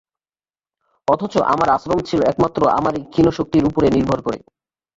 অথচ আমার আশ্রম ছিল একমাত্র আমারি ক্ষীণ শক্তির উপরে নির্ভর করে।